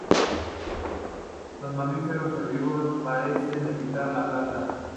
Los mamíferos herbívoros parecen evitar la planta.